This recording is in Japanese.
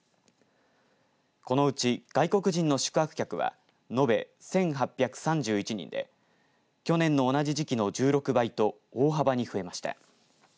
このうち、外国人の宿泊客は延べ１８３１人で去年の同じ時期の１６倍と大幅に増えました。